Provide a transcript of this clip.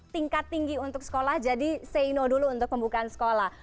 tingkat tinggi untuk sekolah jadi say no dulu untuk pembukaan sekolah